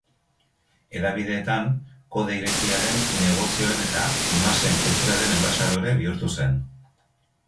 Hedabideetan, kode irekiaren, negozioen eta masen kulturaren enbaxadore bihurtu zen.